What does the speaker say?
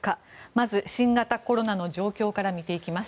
まず、新型コロナの状況から見ていきます。